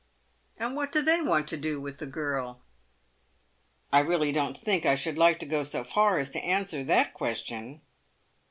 " And wkat do they want to do with the girl ?"" I really don't think I should, like to go so far as to answer that question."